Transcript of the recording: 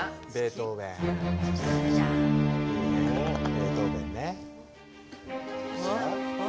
ベートーベンね。